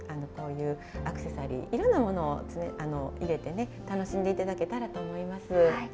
こういうアクセサリーいろんなものを入れてね楽しんで頂けたらと思います。